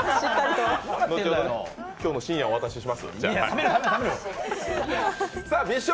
後ほど、今日の深夜お渡しします。